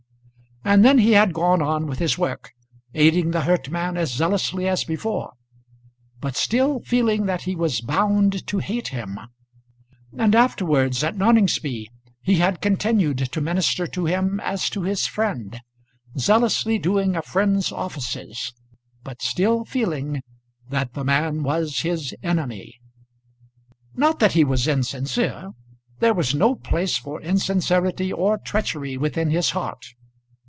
And then he had gone on with his work, aiding the hurt man as zealously as before, but still feeling that he was bound to hate him. And afterwards, at Noningsby, he had continued to minister to him as to his friend, zealously doing a friend's offices, but still feeling that the man was his enemy. Not that he was insincere. There was no place for insincerity or treachery within his heart.